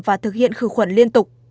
và thực hiện khử khuẩn liên tục